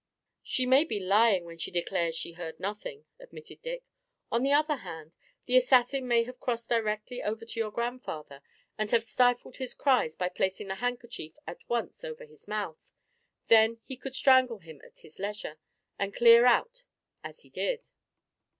"She may be lying when she declares she heard nothing," admitted Dick. "On the other hand, the assassin may have crossed directly over to your grandfather and have stifled his cries by placing the handkerchief at once over his mouth. Then he could strangle him at his leisure and clear out, as he did."